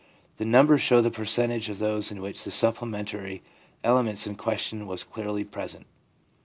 The numbers show the percentage of those in which the supplementary elements in question were clearly present.